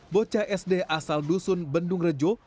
bocah sd asal dusun bendung rejo